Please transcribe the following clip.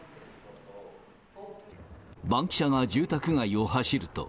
バンキシャが住宅街を走ると。